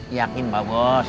yakin pak bos